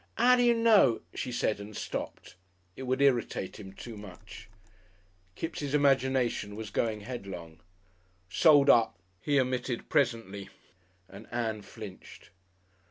"'Ow do you know ?" she said and stopped. It would irritate him too much. Kipps' imagination was going headlong. "Sold up!" he emitted presently, and Ann flinched.